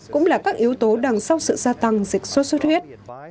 cũng là các yếu tố đằng sau sự gia tăng dịch sốt xuất huyết